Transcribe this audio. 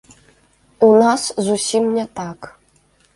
У нас зусім не так.